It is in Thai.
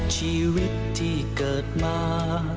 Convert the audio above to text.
ชีวิตที่เกิดมา